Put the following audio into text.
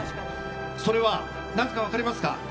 それはなぜか分かりますか？